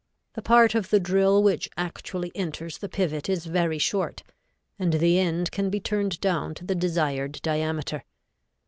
The part of the drill which actually enters the pivot is very short, and the end can be turned down to the desired diameter.